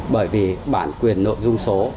bởi vì bản quyền nội dung số